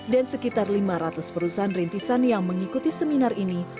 dan sekitar lima ratus perusahaan rintisan yang mengikuti seminar ini